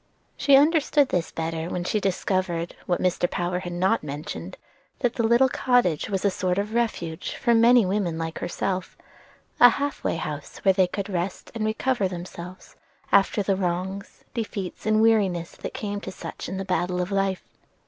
She understood this better when she discovered, what Mr. Power had not mentioned, that the little cottage was a sort of refuge for many women like herself; a half way house where they could rest and recover themselves after the wrongs, defeats, and weariness that come to such in the battle of life.